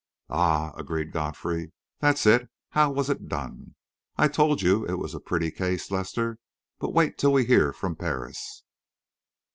"Ah!" agreed Godfrey. "That's it! How was it done? I told you it was a pretty case, Lester. But wait till we hear from Paris."